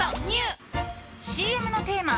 ＣＭのテーマ